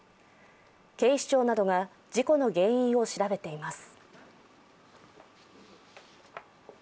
警視庁などが事故の原因を調べています。